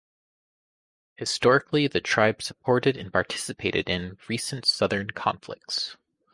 Historically the tribe supported and participated in recent southern conflicts.